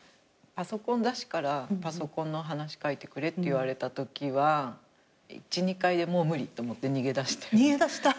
パソコン雑誌からパソコンの話描いてくれって言われたときは１２回でもう無理と思って逃げ出したよ。